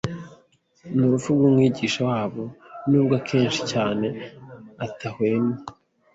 n'urupfu rw'Umwigisha wabo. Nubwo akenshi cyane atahwemye